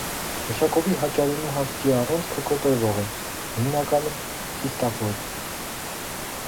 Մշակովի հաճարենու հասկի առանցքը կոտրվող է, հիմնականում՝ քիստավոր։